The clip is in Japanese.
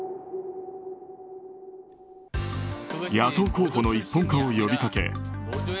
野党候補の一本化を呼びかけ